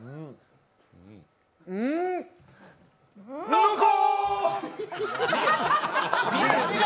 濃厚！